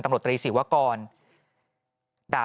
ปี๖๕วันเช่นเดียวกัน